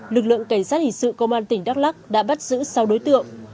lực lượng cảnh sát hình sự công an tỉnh đắk lắc đã bắt giữ sáu đối tượng